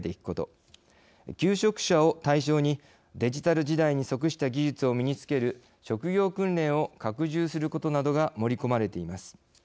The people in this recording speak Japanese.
求職者を対象にデジタル時代に即した技術を身につける職業訓練を拡充することなどが盛り込まれています。